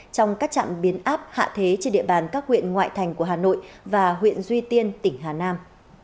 trong các trạm biến áp hạ thế trên địa bàn các huyện ngoại thành của hà nội và huyện duy tiên tỉnh hà nam